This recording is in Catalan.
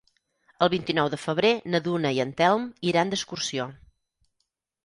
El vint-i-nou de febrer na Duna i en Telm iran d'excursió.